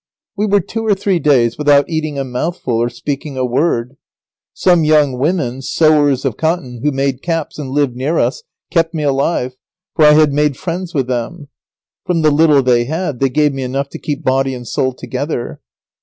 We were two or three days without eating a mouthful or speaking a word. [Sidenote: Lazaro is kept alive by some kind shop girls.] Some young women, sewers of cotton who made caps and lived near us, kept me alive, for I had made friends with them. From the little they had, they gave me enough to keep body and soul together.